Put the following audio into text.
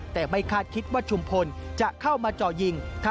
แต่ไม่คาดคิดว่าชุมพลจะเข้ามาจ่อยิง